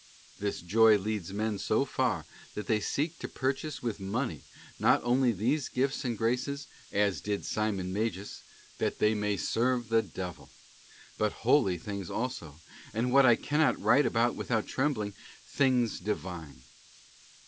This joy leads men so far, that they seek to pur chase with money, not only these gifts and graces, as did Simon Magus, that they may serve the devil, but holy things also, and what I cannot write without trembling, things Divine.